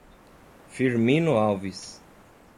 Firmino Alves